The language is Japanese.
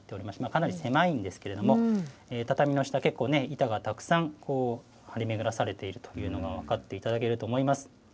かなり狭いんですけれども、畳の下、結構、板がたくさん張り巡らされているというのが、分かっていただけると思います。